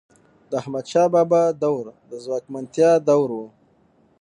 د احمدشاه بابا دور د ځواکمنتیا دور و.